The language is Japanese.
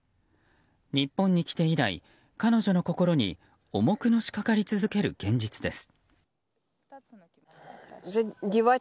日本に来て以来、彼女の心に重くのしかかり続ける現実です。